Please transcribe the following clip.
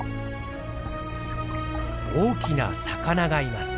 大きな魚がいます。